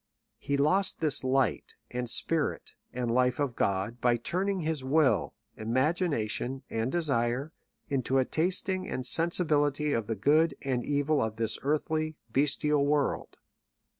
He lost this light, and spirit, and life of God, by turning his will, imagination, and desire, into a tasting and sensi bility of the good and evil of this earthly, bestial world.